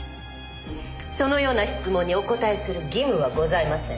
そのような質問にお答えする義務はございません。